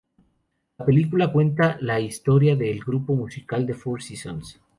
La película cuenta la historia del grupo musical "The Four Seasons".